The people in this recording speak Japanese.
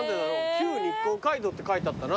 旧日光街道って書いてあったな。